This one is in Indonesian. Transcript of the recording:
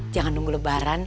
jangan nunggu lebaran